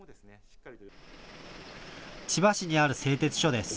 千葉市にある製鉄所です。